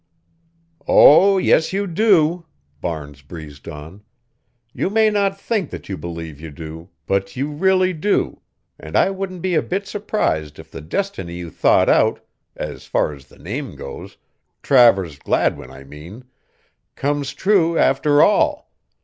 "Oh, yes, you do," Barnes breezed on. "You may not think that you believe you do, but you really do, and I wouldn't be a bit surprised if the destiny you thought out as far as the name goes Travers Gladwin, I mean comes true after all.